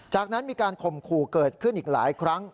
จากนั้นมีการข่มขู่เกิดขึ้นอีกหลายครั้ง